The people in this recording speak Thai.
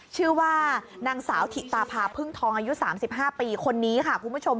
ชื่อว่านางสาวถิตาพาพึ่งทองอายุ๓๕ปีคนนี้ค่ะคุณผู้ชม